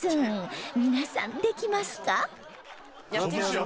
皆さんできますか？